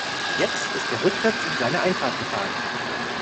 Jetzt ist er rückwärts in seine Einfahrt gefahren.